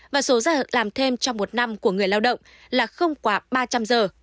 và số giờ làm thêm trong một năm của người lao động là không quá ba trăm linh giờ